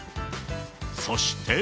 そして。